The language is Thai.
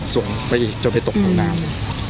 ส่งไปอีกจนไปตกทางน้ำ